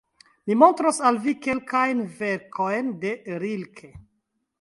Mi montros al vi kelkajn verkojn de Rilke.